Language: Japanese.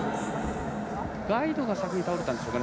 ガイドが先に倒れたんでしょうか？